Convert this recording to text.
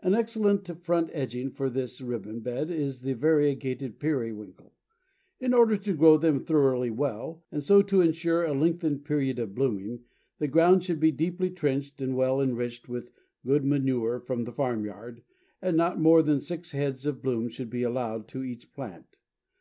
An excellent front edging for this ribbon bed is the variegated Periwinkle. In order to grow them thoroughly well, and so to insure a lengthened period of blooming, the ground should be deeply trenched and well enriched with good manure from the farm yard, and not more than six heads of bloom should be allowed to each plant.